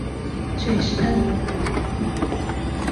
这也是他的功劳